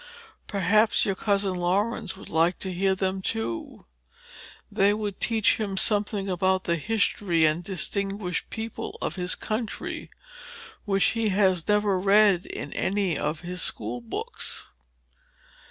Perhaps your cousin Laurence would like to hear them too. They would teach him something about the history and distinguished people of his country, which he has never read in any of his school books."